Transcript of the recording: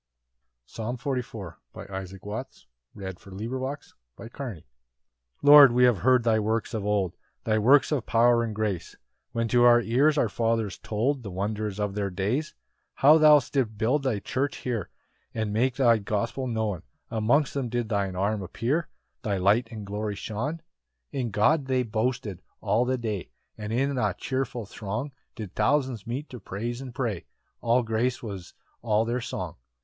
Psalm 44. 1 2 3 8 15 26. The church's complaint in persecution. 1 Lord, we have heard thy works of old, Thy works of power and grace, When to our ears our fathers told The wonders of their days: 2 How thou didst build thy churches here, And make thy gospel known; Amongst them did thine arm appear, Thy light and glory shone. 3 In God they boasted all the day, And in a cheerful throng Did thousands meet to praise and pray, And grace was all their song.